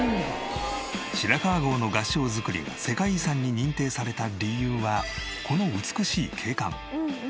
白川郷の合掌造りが世界遺産に認定された理由はこの美しい景観。